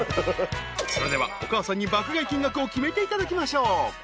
［それではお母さんに爆買い金額を決めていただきましょう］